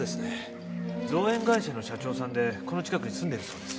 造園会社の社長さんでこの近くに住んでるそうです。